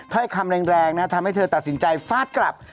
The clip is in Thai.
ถ้อยคำแรงนะทำให้เธอตัดสินใจฟาดกลับ